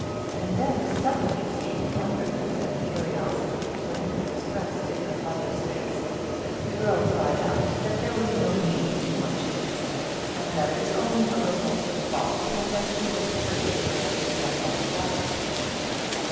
And then suddenly seeing wonderment and curiosity plainly expressed in her lover's face, the girl cried out that there was no meaning in what she had been saying, and that it was only her own romantic folly, and that he was to forgive her, and forget all about it.